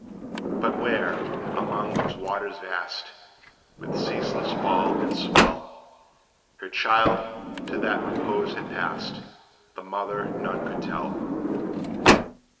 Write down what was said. But where, among those waters vast, With ceaseless fall and swell, Her child to that repose had passed, The mother none could tell.